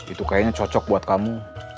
itu kayaknya cocok buat kamu